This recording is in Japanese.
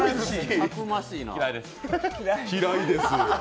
嫌いです。